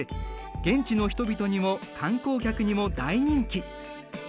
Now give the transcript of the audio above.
現地の人々にも観光客にも大人気。